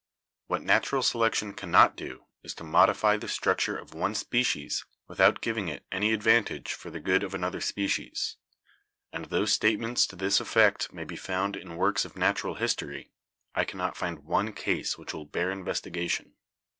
What natural selection cannot do is to modify the structure of one species, without giving it any ad vantage, for the good of another species; and tho state ments to this effect may be found in works of natural his tory, I cannot find one case which will bear investiga tion.